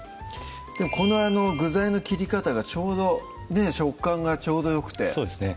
この具材の切り方がちょうどね食感がちょうどよくてそうですね